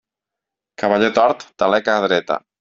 Cavalló tort, taleca dreta.